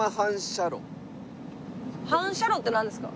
反射炉ってなんですか？